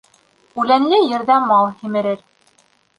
Үләнле ерҙә мал һимерер